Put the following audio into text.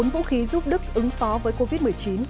bốn vũ khí giúp đức ứng phó với covid một mươi chín